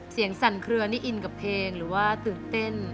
สั่นเคลือนี่อินกับเพลงหรือว่าตื่นเต้น